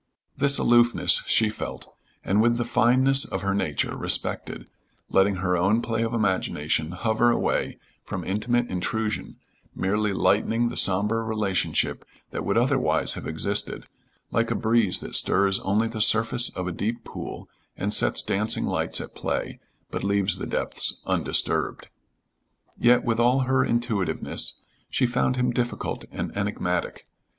This aloofness she felt, and with the fineness of her nature respected, letting her own play of imagination hover away from intimate intrusion, merely lightening the somber relationship that would otherwise have existed, like a breeze that stirs only the surface of a deep pool and sets dancing lights at play but leaves the depths undisturbed. Yet, with all her intuitiveness, she found him difficult and enigmatic.